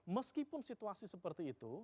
meskipun situasi seperti itu